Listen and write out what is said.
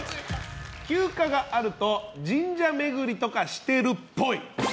休暇があると神社巡りとかしてるっぽい。